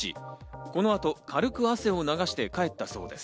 この後、軽く汗を流して帰ったそうです。